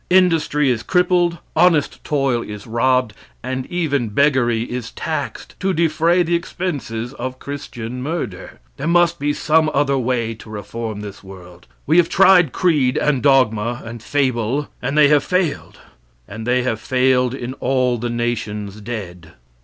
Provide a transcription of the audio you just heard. Industry is crippled, honest toil is robbed, and even beggary is taxed to defray the expenses of Christian murder. There must be some other way to reform this world. We have tried creed and dogma, and fable, and they have failed and they have failed in all the nations dead.